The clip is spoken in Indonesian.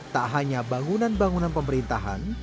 tak hanya bangunan bangunan pemerintahan